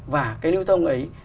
và cái lưu thông ấy